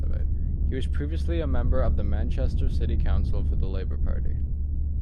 He was previously a member of the Manchester City Council for the Labour Party.